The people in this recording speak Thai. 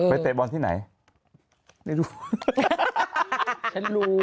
ไปเตะไอบอลที่ไหนไม่รู้